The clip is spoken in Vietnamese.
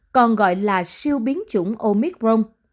còn gọi là siêu biến chủng omicron